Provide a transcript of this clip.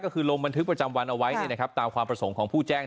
ก็คือลงบันทึกประจำวันเอาไว้ตามความประสงค์ของผู้แจ้ง